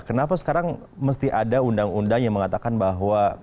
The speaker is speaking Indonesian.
kenapa sekarang mesti ada undang undang yang mengatakan bahwa